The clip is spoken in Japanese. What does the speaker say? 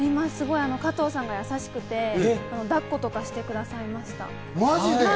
加藤さんが優しくて、抱っことかしてくださいました。